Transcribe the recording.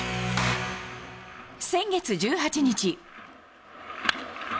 先月１８日。